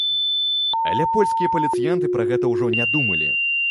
Але польскія паліцыянты пра гэта ўжо не думалі.